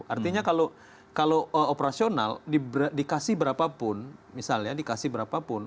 artinya kalau operasional dikasih berapapun misalnya dikasih berapapun